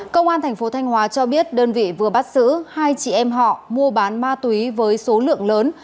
công an thành phố thanh hóa cho biết đơn vị vừa bắt giữ hai chị em họ mua bán ma túy với số lượng lớn